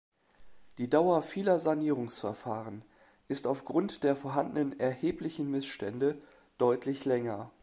Die Dauer vieler Sanierungsverfahren ist auf Grund der vorhandenen erheblichen Missstände deutlich länger.